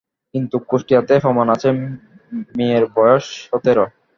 কিন্তু কোষ্ঠীতেই প্রমাণ আছে, মেয়ের বয়স সতেরো।